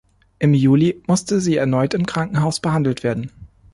Im Juli musste sie erneut im Krankenhaus behandelt werden.